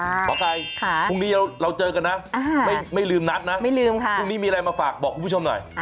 หมอไก่พรุ่งนี้เราเจอกันนะไม่ลืมนัดนะไม่ลืมค่ะพรุ่งนี้มีอะไรมาฝากบอกคุณผู้ชมหน่อย